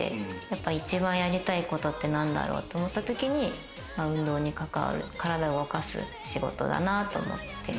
一番やりたいことって何だろうと思った時に、運動に関わる体を動かす仕事だなと思って。